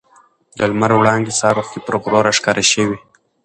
د لمر وړانګې سهار وختي پر غرو راښکاره شوې.